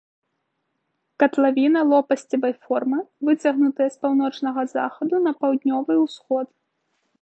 Катлавіна лопасцевай формы, выцягнутая з паўночнага захаду на паўднёвы ўсход.